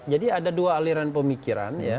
jadi ada dua aliran pemikiran ya